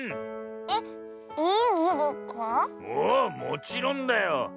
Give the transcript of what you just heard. おおもちろんだよ。